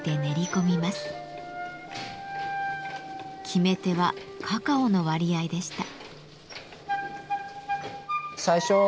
決めてはカカオの割合でした。